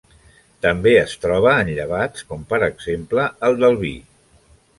També es troba en llevats com, per exemple, el del vi.